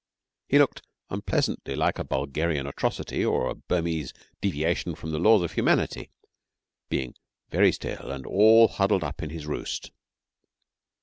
He looked unpleasantly like a Bulgarian atrocity or a Burmese 'deviation from the laws of humanity,' being very still and all huddled up in his roost.